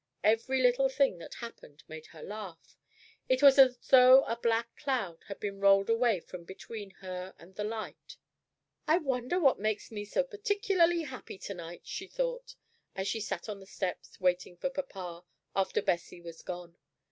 Every little thing that happened made her laugh. It was as though a black cloud had been rolled away from between her and the light. "I wonder what makes me so particularly happy to night," she thought, as she sat on the steps waiting for papa, after Bessie was gone.